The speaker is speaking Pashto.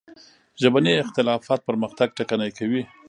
ژبني اختلافات پرمختګ ټکنی کوي.